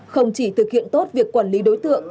không chỉ thực hiện tốt việc quản lý đối tượng